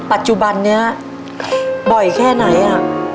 ปัจจุบันนี้บ่อยแค่ไหนอ่ะ